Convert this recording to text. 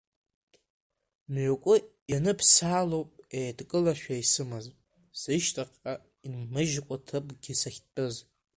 Мҩакы ианыԥсалоуп еидкылашәа исымаз, сышьҭахьҟа инмыжькәа ҭыԥкгьы сахьтәыз.